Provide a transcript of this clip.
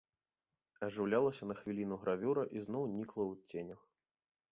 Ажыўлялася на хвіліну гравюра і зноў нікла ў ценях.